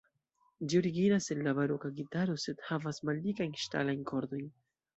Ĝi originas el la baroka gitaro, sed havas maldikajn ŝtalajn kordojn.